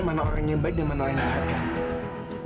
mana orang yang baik dan mana orang yang baik